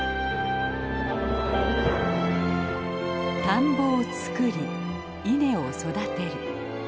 田んぼを作り稲を育てる。